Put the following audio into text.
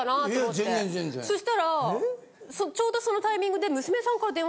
そしたらちょうどそのタイミングで。